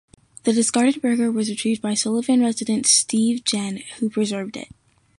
The discarded burger was retrieved by Sullivan resident Steve Jenne, who preserved it.